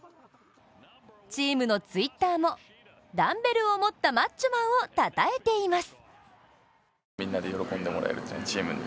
チームのＴｗｉｔｔｅｒもダンベルを持ったマッチョマンをたたえています。